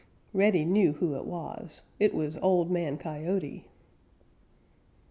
Reddy knew who it was. It was Old Man Coyote.